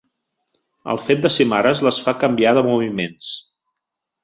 El fet de ser mares les fa canviar de moviments.